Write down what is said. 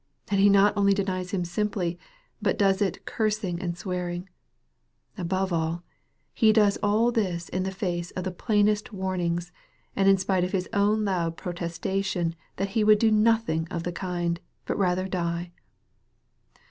And he not only denies Him simply, but does it " cursing and swear ing \" And above all, he does all this in the face of the plainest warnings, and in spite of his own loud protesta tion that he would do nothing of the kind, but rather die